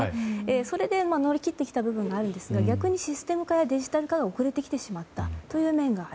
それで乗り切ってきた部分があるんですが逆に、デジタル化、システム化が遅れてしまったという面がある。